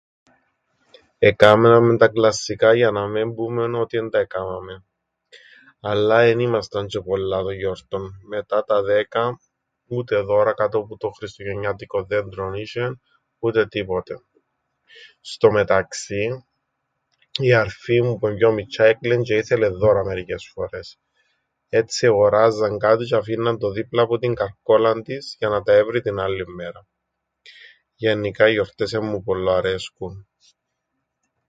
Εκάμναμεν τα κλασσικά για να μεν πούμεν ότι εν τα εκάμαμεν, αλλά εν ήμασταν τζ̆αι πολλά των γιορτών. Μετά τα δέκα, ούτε δώρα κάτω που το χριστουγεννιάτικον δέντρον είσ̆εν, ούτε τίποτε. Στο μεταξύν, η αρφή μου που εν' πιο μιτσ̆ιά έκλαιεν τζ̆αι ήθελεν δώρα μερικές φορές, έτσι εγοράζαν κάτι τζ̆ι αφήνναν το δίπλα που την καρκόλαν της, για να τα έβρει την άλλην μέραν. Γεννικά οι γιορτές εν μου πολλοαρέσκουν.